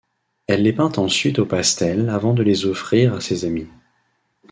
Elle les peint ensuite au pastel avant de les offrir à ses amis.